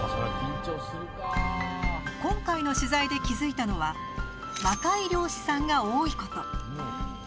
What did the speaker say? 今回の取材で気づいたのは若い漁師さんが多いこと。